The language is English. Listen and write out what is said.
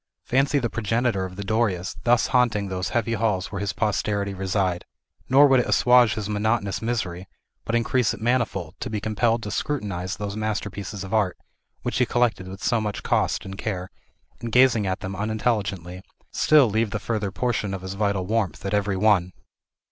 Fancy the progenitor of the Dorias thus haunting those heavy halls where his posterity reside! Nor would it assuage his monotonous misery, but increase it manifold, to be compelled to scrutinize those masterpieces of art, which he collected with so much cost and care, and gazing at them unintelligently, still leave a further portion of his vital warmth at every one.